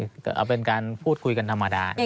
เอาเป็นการพูดคุยกันธรรมดา